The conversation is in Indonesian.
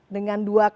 dengan dua kali